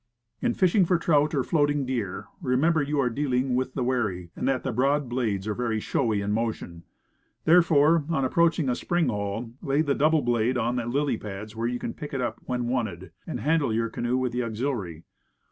In fishing for trout or floating deer, remember you are dealing with the wary, and that the broad blades are very showy when in motion. Therefore, on approaching a spring hole, lay the double blade on the lily pads where you can pick it up when wanted, and handle your canoe with the auxiliary.